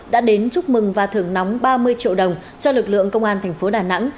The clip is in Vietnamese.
đã đến chúc mừng và thưởng nóng ba mươi triệu đồng cho lực lượng công an tp đà nẵng